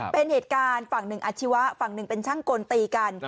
เป็นเหตุการณ์ฝั่งหนึ่งอาชีวะฝั่งหนึ่งเป็นช่างกลตีกัน